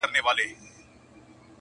او تقریباً د خوښۍ -